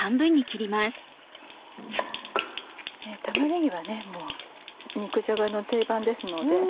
玉ねぎはもう肉じゃがの定番ですので。